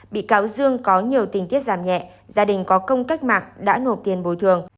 bị cáo dương có nhiều tình tiết giảm nhẹ gia đình có công cách mạng đã nộp tiền bồi thường